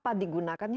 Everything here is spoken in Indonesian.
apa yang digunakannya